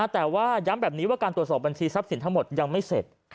แต่ว่าย้ำแบบนี้ว่าการตรวจสอบบัญชีทรัพย์สินทั้งหมดยังไม่เสร็จ